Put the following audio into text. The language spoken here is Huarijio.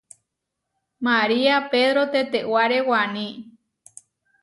Maria pedro tetewáre waní.